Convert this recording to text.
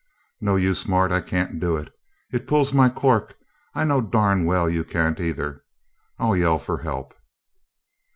"No use, Mart I can't do it. It pulls my cork. I know darn well you can't either I'll yell for help."